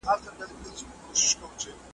لا اوس هم نه يې تر ځايه رسېدلى .